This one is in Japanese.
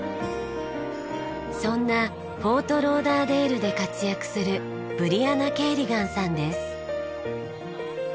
そんなフォートローダーデールで活躍するブリアナ・ケーリガンさんです。